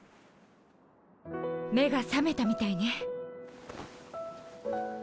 目が覚めたみたいね。